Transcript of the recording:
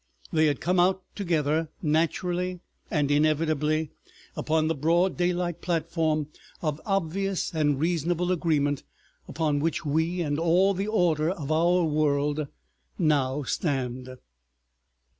They had come out together naturally and inevitably upon the broad daylight platform of obvious and reasonable agreement upon which we and all the order of our world now stand.